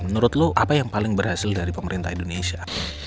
menurut lo apa yang paling berhasil dari pemerintah indonesia